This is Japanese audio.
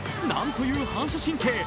なんという反射神経。